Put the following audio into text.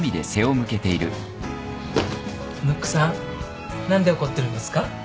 ムックさん何で怒ってるんですか？